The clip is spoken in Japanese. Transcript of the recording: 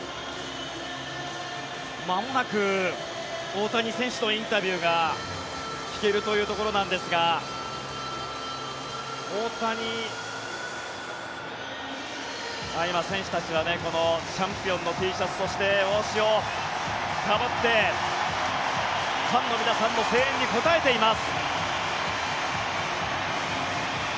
まもなく大谷選手のインタビューが聞けるというところなんですが今、選手たちがチャンピオンのＴシャツそして、帽子をかぶってファンの皆さんの声援に応えています。